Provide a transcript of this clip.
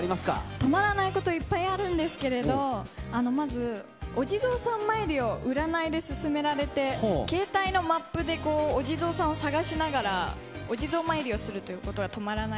止まらないこと、いっぱいあるんですけど、まず、お地蔵さん参りを占いで勧められて、携帯のマップでお地蔵さんを探しながら、お地蔵参りをするということが止まらない。